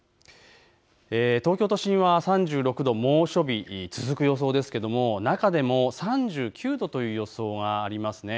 東京都心は３６度、猛暑日が続く予想ですけども、中でも３９度という予想があります。